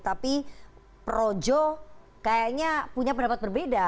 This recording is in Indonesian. tapi projo kayaknya punya pendapat berbeda